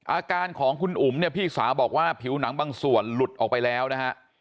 อาการของคุณอุ๋มเนี่ยพี่สาวบอกว่าผิวหนังบางส่วนหลุดออกไปแล้วนะฮะ